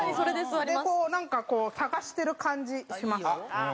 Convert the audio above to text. でこうなんか探してる感じします。